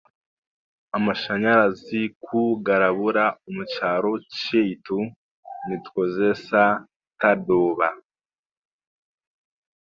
Ashanyarazi ku garabura omu kyaro kyaitu, nitukozeesa tadooba